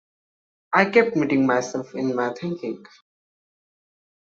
I kept meeting myself in my thinking.